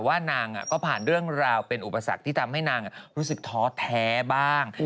ว่านางก็ผ่านเรื่องราวเป็นอุปสรรคที่ทำให้นางรู้สึกท้อแท้บ้าง